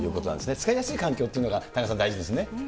使いやすい環境というのが田中さん、大事ですね。